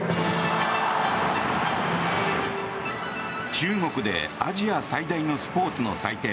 中国でアジア最大のスポーツの祭典